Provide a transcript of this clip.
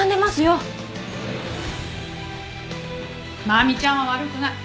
麻美ちゃんは悪くない。